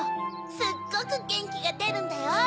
すっごくゲンキがでるんだよ！